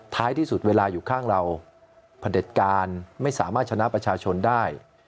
ท้ายที่สุดเวลาอยู่ข้างเราพระเด็จการไม่สามารถชนะประชาชนได้